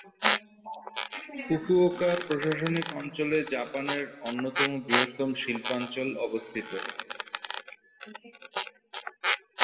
Fukuoka প্রশাসনিক অঞ্চলে জাপানের অন্যতম বৃহত্তম শিল্পাঞ্চল অবস্থিত।